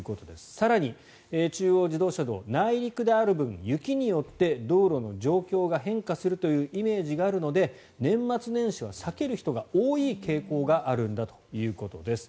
更に、中央自動車道内陸である分、雪によって道路の状況が変化するというイメージがあるので年末年始は避ける人が多い傾向があるんだということです。